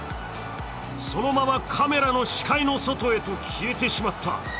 そのままカメラの視界の外へと消えてしまった。